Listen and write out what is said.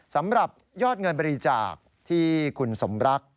สำหรับยอดเงินบริจาคที่คุณสมรัก